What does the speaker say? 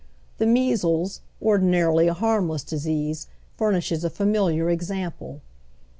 The measles, ordinarily a liarmless disease, fur uishea a familiar example.